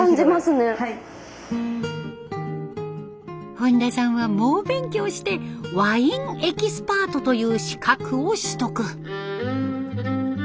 本田さんは猛勉強してワインエキスパートという資格を取得。